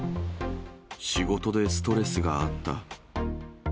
仕事でストレスがあった。